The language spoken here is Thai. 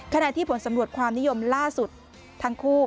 ขณะที่ผลสำรวจความนิยมล่าสุดทั้งคู่